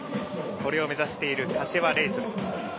これを目指している柏レイソル。